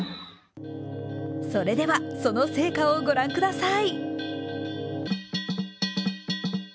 それでは、その成果を御覧ください。